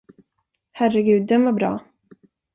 Herregud, den var bra!